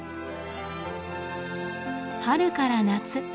春から夏。